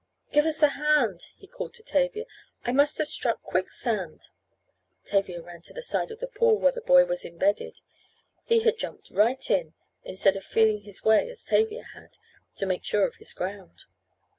"Give us a hand," he called to Tavia. "I must have struck quick sand." Tavia ran to the side of the pool where the boy was imbedded. He had jumped right in, instead of feeling his way as Tavia had, to make sure of his ground.